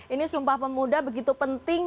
ini sumpah pemuda begitu penting